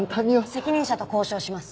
責任者と交渉します。